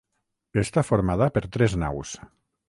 Està formada per tres naus.